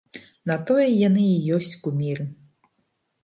На тое яны і ёсць куміры.